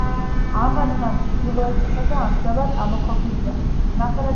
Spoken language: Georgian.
ამათგან ჩრდილოეთისა ამჟამად ამოქოლილია.